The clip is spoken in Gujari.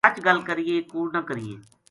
سچ گل کرینے کوڑ نہ کرینے